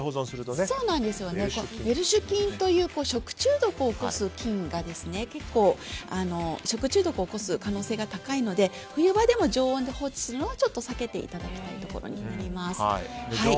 ウェルシュ菌という食中毒を起こす菌が結構、食中毒を起こす可能性が高いので冬場でも常温で放置するのは避けていただきたいです。